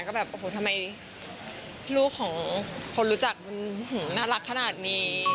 ก็แบบทำไมลูกของคนรู้จักน่ารักขนาดนี้